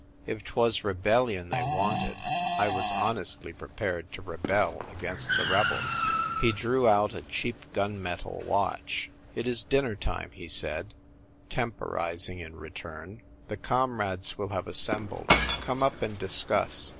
If 'twas rebellion they wanted, I was honestly pre pared to rebel against the rebels. He drew out a cheap gun metal watch. " It is dinner time," he said, temporising in VIVE l'anarchie! 59 return. " The comrades will have assembled. Come up and discuss.